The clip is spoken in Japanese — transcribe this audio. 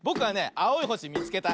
あおいほしみつけた。